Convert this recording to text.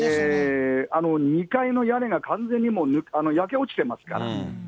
２階の屋根が完全にもう焼け落ちてますから。